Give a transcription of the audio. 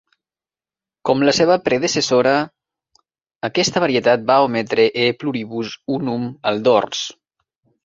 Com la seva predecessora, aquesta varietat va ometre E Pluribus Unum al dors.